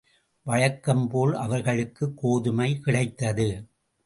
வழக்கம்போல் அவர்களுக்குக் கோதுமை கிடைத்தது.